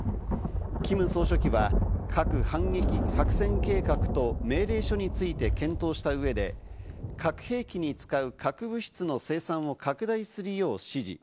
キム総書記は核反撃作戦計画と命令書について検討した上で、核兵器に使う核物質の生産を拡大するよう指示。